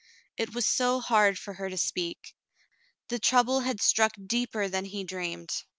It was so hard for her to speak. The trouble had struck deeper than he dreamed.